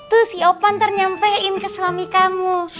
tuh si opan ternyampein ke suami kamu